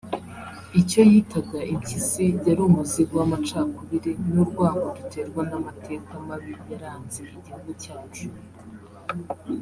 Icyo yitaga impyisi yari umuzigo w’amacakubiri n’urwango duterwa n’amateka mabi yaranze igihugu cyacu